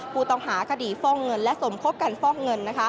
ผู้ต้องหาคดีฟอกเงินและสมคบกันฟอกเงิน